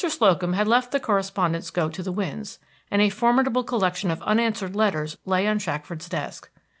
Slocum had let the correspondence go to the winds, and a formidable collection of unanswered letters lay on Shackford's desk.